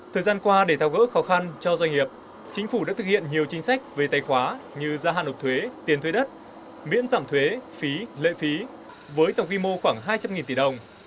thời gian qua để thao gỡ khó khăn cho doanh nghiệp chính phủ đã thực hiện nhiều chính sách về tay khóa như gia hạn hộp thuế tiền thuế đất miễn giảm thuế phí lợi phí với tổng quy mô khoảng hai trăm linh tỷ đồng